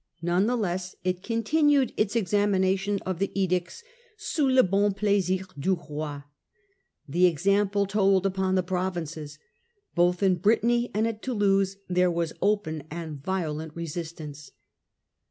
None the less it continued its examination of the edicts * sous le bon plaisir du roi.' The example told upon the provinces. 26 Prelude to the Fronde, 1648. Both in Britanny and at Toulouse there was open and violent resistance.